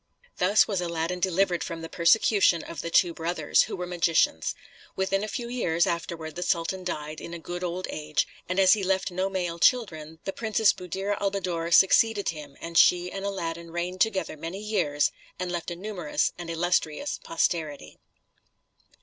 Thus was Aladdin delivered from the persecution of the two brothers, who were magicians. Within a few years afterward the sultan died in a good old age, and as he left no male children, the Princess Buddir al Buddoor succeeded him, and she and Aladdin reigned together many years, and left a numerous and illustrious posterity.